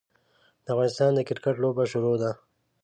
د افغانستان د کرکیټ لوبه شروع ده.